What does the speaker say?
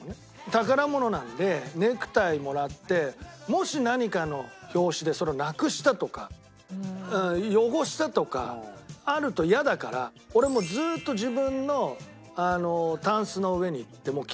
宝物なんでネクタイもらってもし何かの拍子でそれをなくしたとか汚したとかあると嫌だから俺はもうずっと自分のタンスの上にって決めてて。